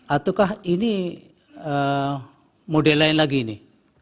ataukah ini model lain lagi ini